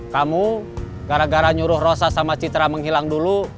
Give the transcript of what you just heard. kamu gara gara nyuruh rosa sama citra menghilang dulu